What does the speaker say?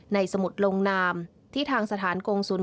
สมุดลงนามที่ทางสถานกงศูนย